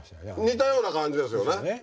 似たような感じですよね。